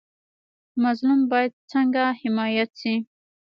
مظلوم باید څنګه حمایت شي؟